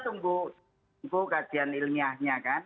untuk kajian ilmiahnya kan